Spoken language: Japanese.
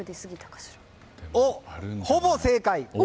ほぼ正解。